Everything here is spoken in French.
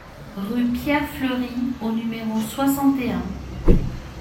Rue Pierre Fleury au numéro soixante et un